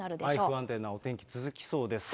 不安定なお天気続きそうです。